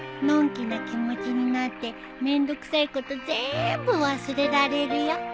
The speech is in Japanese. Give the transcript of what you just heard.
のんきな気持ちになって面倒くさいことぜーんぶ忘れられるよ。